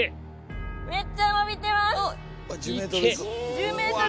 めっちゃ伸びてます。